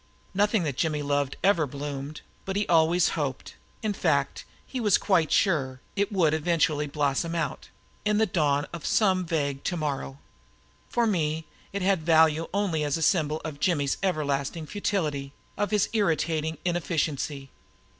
Nothing that Jimmy loved ever bloomed; but he always hoped, in fact he was quite sure, it would eventually blossom out in the dawn of some vague tomorrow. For me it had value only as a symbol of Jimmy's everlasting futility, of his irritating inefficiency.